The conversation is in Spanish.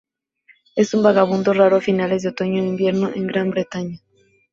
Es un vagabundo raro a finales de otoño e invierno en Gran Bretaña.